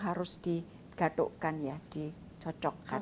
harus digadukkan ya dicocokkan